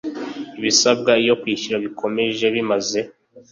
ibisabwa iyo kwishyura bukomeje bimaze